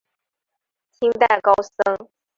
清代高僧。